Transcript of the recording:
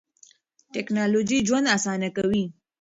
ټکنالوژي ژوند اسانه کوي.